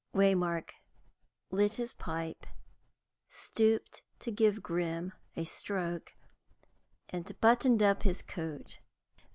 Waymark lit his pipe, stooped to give Grim a stroke, and buttoned up his coat.